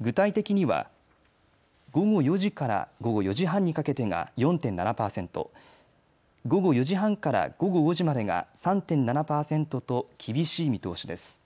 具体的には午後４時から午後４時半にかけてが４．７％、午後４時半から午後５時までが３．７％と厳しい見通しです。